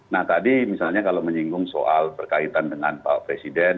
nah tadi misalnya kalau menyinggung soal berkaitan dengan pak presiden